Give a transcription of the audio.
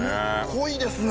濃いですね。